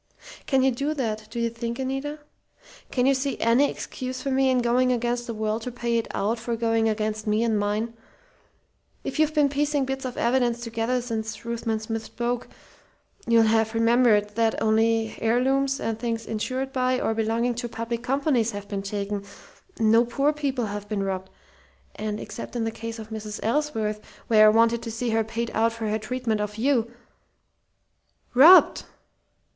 "Can you do that, do you think, Anita? Can you see any excuse for me in going against the world to pay it out for going against me and mine? If you've been piecing bits of evidence together since Ruthven Smith spoke, you'll have remembered that only heirlooms and things insured by, or belonging to, public companies, have been taken; no poor people have been robbed; and except in the case of Mrs. Ellsworth, where I wanted to see her paid out for her treatment of you " "'Robbed'!"